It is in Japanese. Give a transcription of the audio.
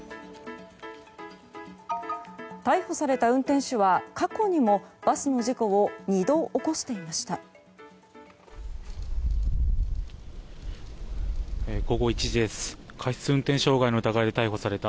逮捕された運転手は、過去にもバスの事故を２度、起こしていました。